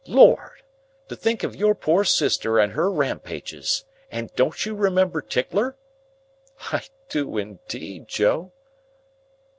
Lord! To think of your poor sister and her Rampages! And don't you remember Tickler?" "I do indeed, Joe."